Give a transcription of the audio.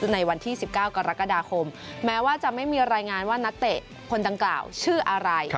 ในวันที่๑๙กรกฎาคมแม้ว่าจะไม่มีรายงานว่านักเตะคนดังกล่าวชื่ออะไร